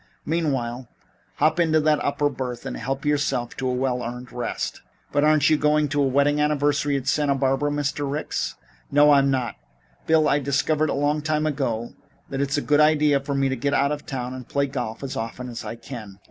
Meanwhile, hop into that upper berth and help yourself to a well earned rest." "But aren't you going to a wedding anniversary at Santa Barbara, Mr. Ricks?" "I am not. Bill, I discovered a long time ago that it's a good idea for me to get out of town and play golf as often as I can.